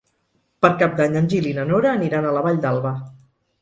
Per Cap d'Any en Gil i na Nora aniran a la Vall d'Alba.